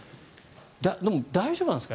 でも、大丈夫なんですか？